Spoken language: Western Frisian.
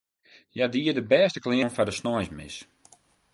Hja die har bêste klean oan foar de sneinsmis.